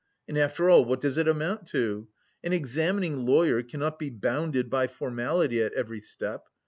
And after all, what does it amount to? An examining lawyer cannot be bounded by formality at every step.